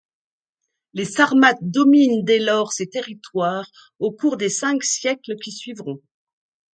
Les Sarmates dominent dès lors ces territoires au cours des cinq siècles qui suivront.